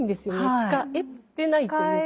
使えてないというか。